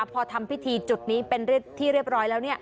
พอทำพิธีจุดนี้เป็นที่เรียบร้อยแล้ว